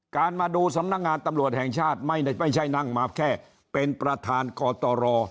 มาดูสำนักงานตำรวจแห่งชาติไม่ใช่นั่งมาแค่เป็นประธานกตร